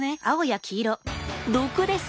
毒です。